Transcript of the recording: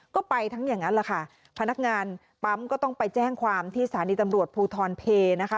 ก็ไปทั้งอย่างนั้นแหละค่ะพนักงานปั๊มก็ต้องไปแจ้งความที่สถานีตำรวจภูทรเพนะคะ